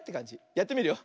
やってみるよ。